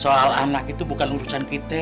soal anak itu bukan urusan kita